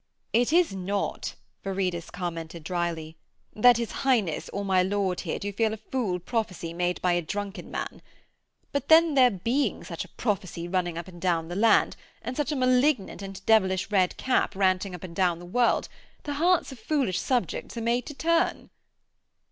'It is not,' Viridus commented dryly, 'that his Highness or my lord here do fear a fool prophecy made by a drunken man. But there being such a prophecy running up and down the land, and such a malignant and devilish Red Cap ranting up and down the world, the hearts of foolish subjects are made to turn.'